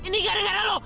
ini gara gara lo